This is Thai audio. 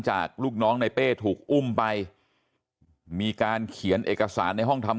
ลูกน้องในเป้ถูกอุ้มไปมีการเขียนเอกสารในห้องทำ